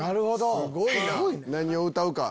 何を歌うか。